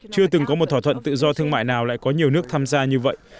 chưa từng có một thỏa thuận tự do thương mại nào lại có nhiều nước tham gia như vậy